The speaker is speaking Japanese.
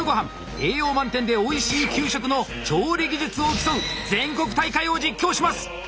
栄養満点でおいしい給食の調理技術を競う全国大会を実況します！